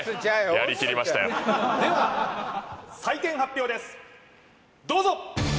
やりきりましたよでは採点発表ですどうぞ！